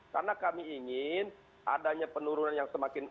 karena kami ingin adanya penurunan yang semakin